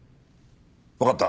わかった。